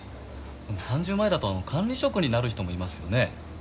３０前だとあの管理職になる人もいますよね。